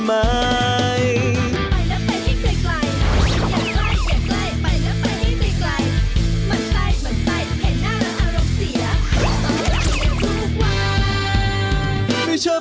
แบบนี้ก็ได้